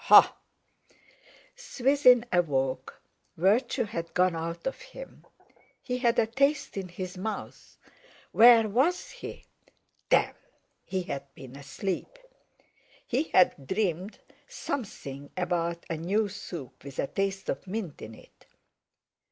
Hah! Swithin awoke; virtue had gone out of him. He had a taste in his mouth. Where was he? Damme! He had been asleep! He had dreamed something about a new soup, with a taste of mint in it.